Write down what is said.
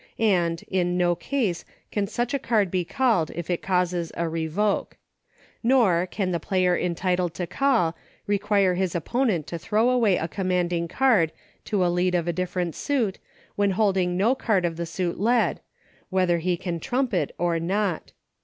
And, in no case can such a card be called if it causes a revoke ; nor, can the player entitled to call, require his oppo nent to throw away a commanding card to a lead of different suit, when holding no card of the suit led, whether he can trump it or not.